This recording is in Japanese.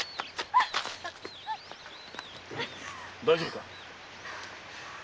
大丈夫か？